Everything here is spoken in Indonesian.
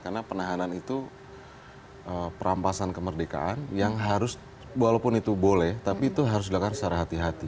karena penahanan itu perampasan kemerdekaan yang harus walaupun itu boleh tapi itu harus dilakukan secara hati hati